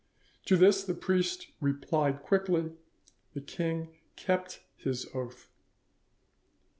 To this the priest replied quickly, "The king kept his oath."